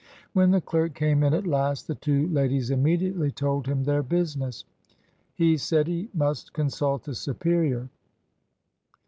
When the clerk came in at last, the two ladies immediately told him their business. He said he must consult a superior.